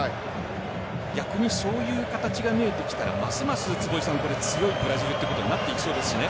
逆にそういう形が見えるとしたらますます坪井さん強いブラジルということになってきそうですね。